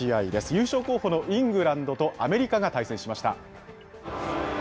優勝候補のイングランドと、アメリカが対戦しました。